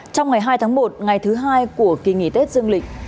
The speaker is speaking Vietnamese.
trong ngày hai tháng một ngày thứ hai của kỳ nghỉ tết dương lịch